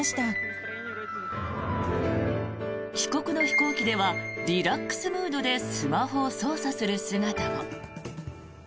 帰国の飛行機ではリラックスムードでスマホを操作する姿も。